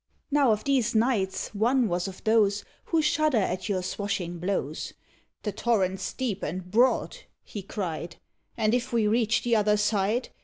Now of these knights one was of those Who shudder at your swashing blows. "The torrent's deep and broad," he cried; "And if we reach the other side?